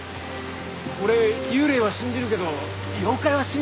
俺幽霊は信じるけど妖怪は信じんわ。